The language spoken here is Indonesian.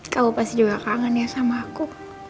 kamu pasti juga kangen ya sama aku